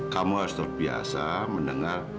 kamu harus terbiasa mendengar